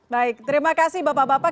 baik terima kasih bapak bapak